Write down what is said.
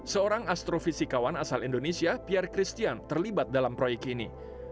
seorang astrofisikawan asal indonesia pierre christian terlibat dalam proyek ini